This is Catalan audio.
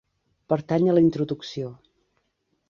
Pertany a la introducció.